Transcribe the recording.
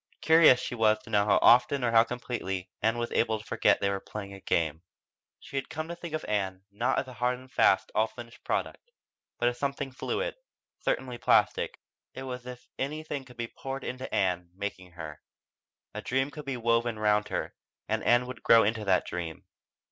Curious she was to know how often or how completely Ann was able to forget they were playing a game. She had come to think of Ann, not as a hard and fast, all finished product, but as something fluid, certainly plastic. It was as if anything could be poured into Ann, making her. A dream could be woven round her, and Ann could grow into that dream.